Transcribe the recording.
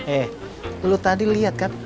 eh lu tadi lihat kan